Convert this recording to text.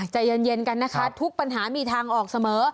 ใจเย็นกันนะคะทุกปัญหามีทางออกเสมอ